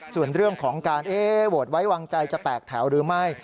ส่วนเรื่องของการโหวตไว้วางใจจะแตกแถวหรือไม่